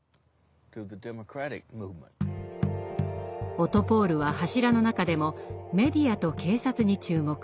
オトポール！は柱の中でも「メディア」と「警察」に注目。